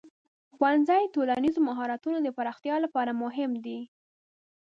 ښوونځی د ټولنیز مهارتونو د پراختیا لپاره مهم دی.